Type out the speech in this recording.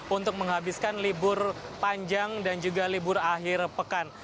untuk menghabiskan libur panjang dan juga libur akhir pekan